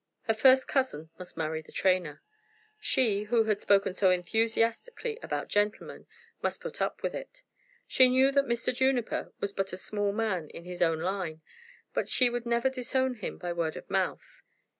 Her first cousin must marry the trainer. She, who had spoken so enthusiastically about gentlemen, must put up with it. She knew that Mr. Juniper was but a small man in his own line, but she would never disown him by word of mouth.